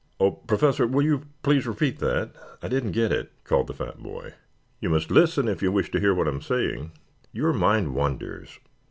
"Oh, Professor. Will you please repeat that? I didn't get it," called the fat boy. "You must listen if you wish to hear what I am saying. Your mind wanders."